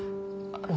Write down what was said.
あの。